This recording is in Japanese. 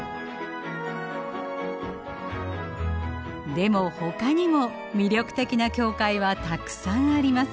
でもほかにも魅力的な教会はたくさんあります。